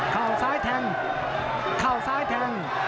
เข้าซ้ายแทงเข้าซ้ายแทง